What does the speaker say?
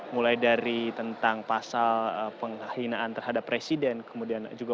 mulai dari tentang pasal pengkhinaan terhadap presiden kemudian juga wakil presiden